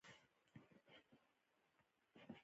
د رایې حق ورکړل شي.